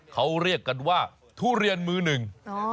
เขาเรียกกันว่าทุเรียนมือหนึ่ง